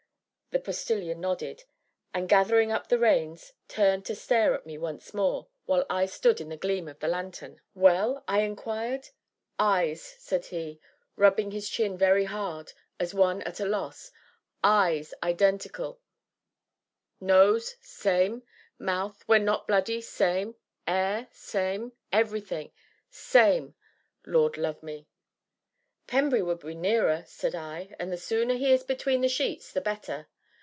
The Postilion nodded, and, gathering up the reins, turned to stare at me once more, while I stood in the gleam of the lanthorn. "Well?" I inquired. "Eyes," said he, rubbing his chin very hard, as one at a loss, "eyes, i dentical nose, same mouth, when not bloody, same 'air, same everything, same Lord love me!" "Pembry would be nearer," said I, "and the sooner he is between the sheets the better."